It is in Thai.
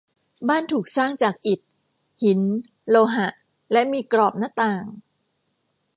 บ้านถูกสร้างจากอิฐ หิน โลหะ และมีกรอบหน้าต่าง